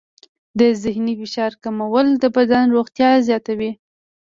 د ذهني فشار کمول د بدن روغتیا زیاتوي.